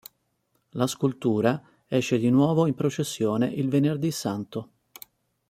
La scultura esce di nuovo in processione il Venerdì Santo.